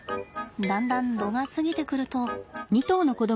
だんだん度が過ぎてくると。